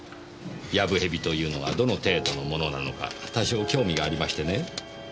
やぶへびというのはどの程度のものなのか多少興味がありましてね。